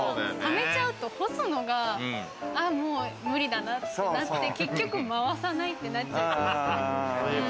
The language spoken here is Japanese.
溜めちゃうと、干すのがあもう無理だなってなって、結局回さないってなっちゃいそう。